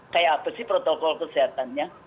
kayak apa sih protokol kesehatannya